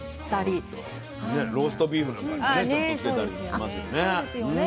ローストビーフなんかにねちょっとつけたりもしますよね。